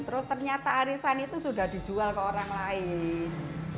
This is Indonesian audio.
terus ternyata arisan itu sudah dijual ke orang lain